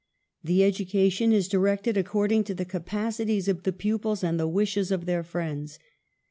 " The education is directed according to the capacities of the pupils and the wishes of their friends.